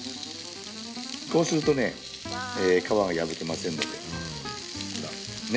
こうするとね皮が破けませんのでねっ。